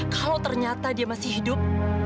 kalau ternyata dia masih hidup